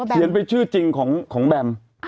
ไปชื่อจริงของแบม